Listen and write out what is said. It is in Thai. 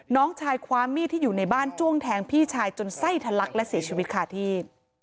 น้องชายคว้ามีดที่อยู่ในบ้านจ้วงแทงพี่ชายจนไส้ทะลักและเสียชีวิตคาที่